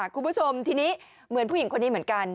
คุณผู้ชมทีนี้เหมือนผู้หญิงคนนี้เหมือนกัน